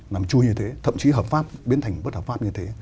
làm chui như thế thậm chí hợp pháp biến thành bất hợp pháp như thế